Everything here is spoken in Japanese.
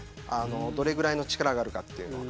どれぐらいの力があるかというのは。